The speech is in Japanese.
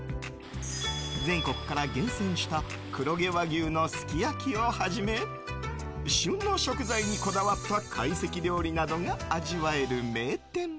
全国から厳選した黒毛和牛のすき焼きをはじめ旬の食材にこだわった懐石料理などが味わえる名店。